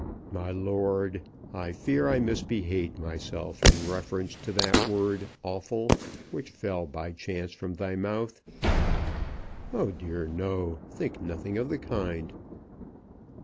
"My lord, I fear I misbehaved myself in reference to that word 'awful' which fell by chance from thy mouth." "Oh, dear no; nothing of the kind."